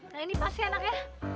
nah ini pasti enak ya